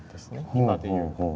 今で言う。